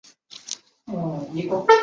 父亲为雾社事件日军大屠杀受害者。